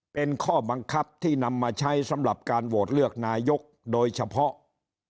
เป็นข้อบังคับที่นำมาใช้สำหรับการโหวตเลือกนายกโดยเฉพาะ